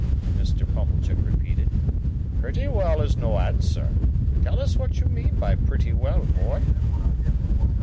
Mr. Pumblechook repeated. "Pretty well is no answer. Tell us what you mean by pretty well, boy?"